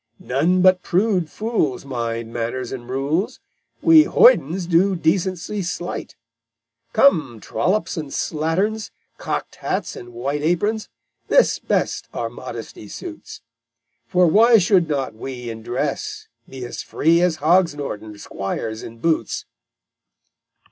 None but prude fools Mind manners and rules, We Hoydens do decency slight_. _Come, Trollops and Slatterns, Cocked hats and white aprons, This best our modesty suits; For why should not we In dress be as free As Hogs Norton squires in boots?